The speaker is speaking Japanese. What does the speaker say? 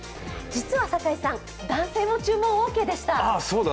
実は酒井さん、男性も注文オーケーでした。